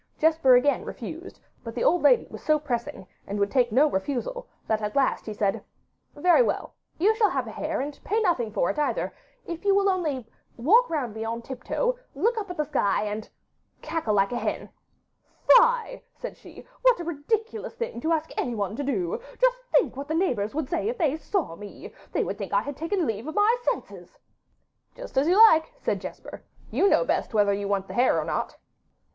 Jesper again refused, but the old lady was so pressing, and would take no refusal, that at last he said: 'Very well, you shall have a hare, and pay nothing for it either, if you will only walk round me on tiptoe, look up to the sky, and cackle like a hen.' 'Fie,' said she; 'what a ridiculous thing to ask anyone to do; just think what the neighbours would say if they saw me. They would think I had taken leave of my senses.' 'Just as you like,' said Jesper; 'you know best whether you want the hare or not.